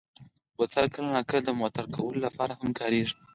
بوتل کله ناکله د معطر کولو لپاره هم کارېږي.